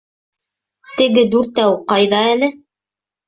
Теге Дүртәү ҡайҙа әле?